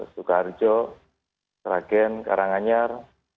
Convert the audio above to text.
suka arjo tragen karanganyar